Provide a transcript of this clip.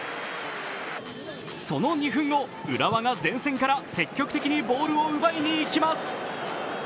その２分後、浦和が前線から積極的にボールを奪いにいきます。